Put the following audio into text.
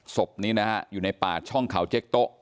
สบนี้อยู่ในป่าช่องเขาเจ๊กต๊อก